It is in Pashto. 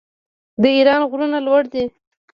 د ایران غرونه لوړ دي.